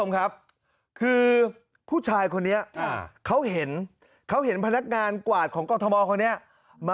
ข่าวนี้นะครับ